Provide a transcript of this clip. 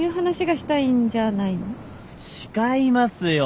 違いますよ。